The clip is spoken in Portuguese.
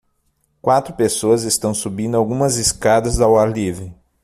Quatro pessoas estão subindo algumas escadas ao ar livre.